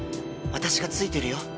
私がついてるよ。